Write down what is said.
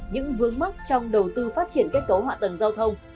những vướng mắt trong đầu tư phát triển kết cấu họa tầng giao thông